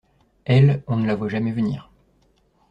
Elle, on ne la voit jamais venir.